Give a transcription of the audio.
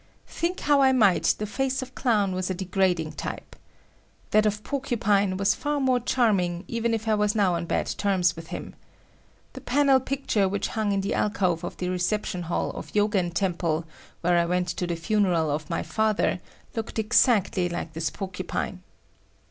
Think how I might, the face of Clown was a degrading type. That of Porcupine was far more charming, even if I was now on bad terms with him. The panel picture which hung in the alcove of the reception hall of Yogen temple where I went to the funeral of my father, looked exactly like this Porcupine.